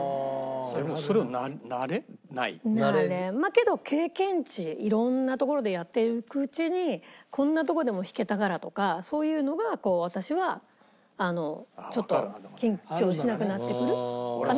けど経験値いろんな所でやっていくうちにこんなとこでも弾けたからとかそういうのが私はちょっと緊張しなくなってくるかな？